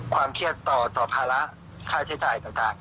ความเครียดต่อภาระค่าใช้จ่ายต่าง